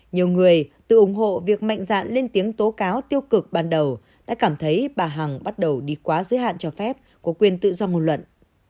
nhiều người tự ủng hộ việc mạnh dạn lên tiếng tố cáo tiêu cực ban đầu đã cảm thấy bà hằng bắt đầu đi quá giới hạn cho phép của quyền tự do ngôn luận